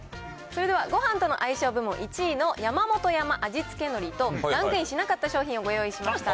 それではごはんとの相性部門１位の山本山味付海苔と、ランクインしなかった商品をご用意しました。